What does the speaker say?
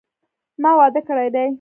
ما واده کړی دي